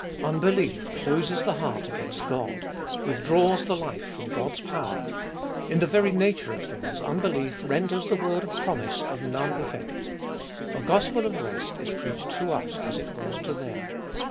Unbelief closes the heart against God, withdraws the life from God's power ; in the very nature of things unbelief renders the word of promise of none effect. A gospel of rest is preached to us as it was to them.